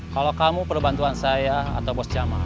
kalau kamu perlu bantuan saya atau bos jamaah